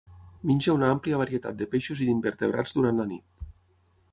Menja una àmplia varietat de peixos i d'invertebrats durant la nit.